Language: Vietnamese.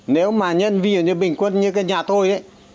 nếu mà nhân viên như bình quân như cái nhà tôi ấy